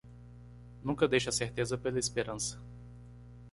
Nunca deixe a certeza pela esperança